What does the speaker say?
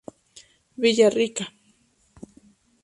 Villa rica.